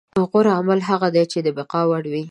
غوره عمل هغه دی چې د بقا وړ وي.